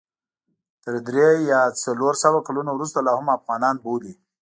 تر درې یا څلور سوه کلونو وروسته لا هم افغانان بولي.